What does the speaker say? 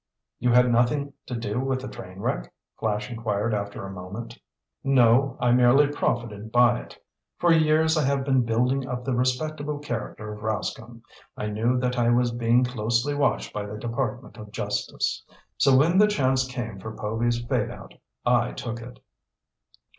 "You had nothing to do with the train wreck?" Flash inquired after a moment. "No, I merely profited by it. For years I have been building up the respectable character of Rascomb. I knew that I was being closely watched by the Department of Justice. So when the chance came for Povy's fade out, I took it."